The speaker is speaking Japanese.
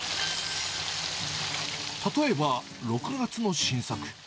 例えば、６月の新作。